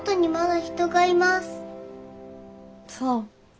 そう。